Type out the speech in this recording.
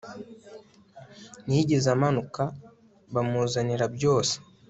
ntiyigeze amanuka. bamuzanira byose